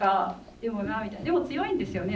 でもなでも強いんですよね